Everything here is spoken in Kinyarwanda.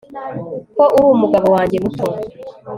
ko uri umugabo wanjye muto